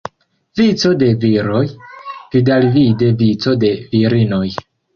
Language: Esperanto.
Vico de viroj, vidalvide vico de virinoj.